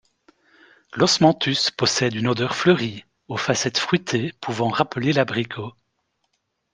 L'osmanthus possède une odeur fleurie aux facettes fruitées pouvant rappeler l'abricot.